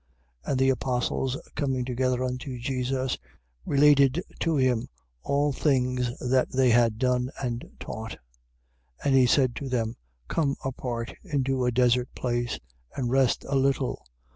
6:30. And the apostles coming together unto Jesus, related to him all things that they had done and taught. 6:31. And he said to them: Come apart into a desert place, and rest a little.